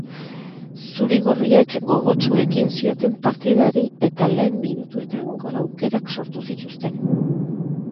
Zuri-gorriek gogotsu ekin zioten partidari eta lehen minutuetan gol aukerak sortu zituzten.